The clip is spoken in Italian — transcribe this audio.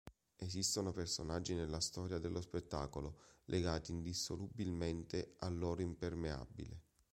Esistono personaggi nella storia dello spettacolo legati indissolubilmente al loro impermeabile.